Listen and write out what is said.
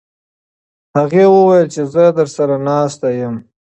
هغې وویل چې زه درسره ناسته یم.